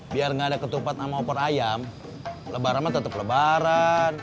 biar nggak ada ketupat sama opor ayam lebarannya tetap lebaran